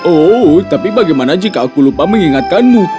oh tapi bagaimana jika aku lupa mengingatkanmu